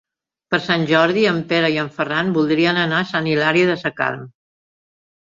Per Sant Jordi en Pere i en Ferran voldrien anar a Sant Hilari Sacalm.